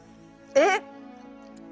えっ。